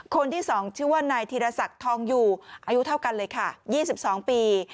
คนที่๒ชื่อว่านายธีรศักดิ์ทองอยู่อายุเท่ากันเลยค่ะ๒๒ปี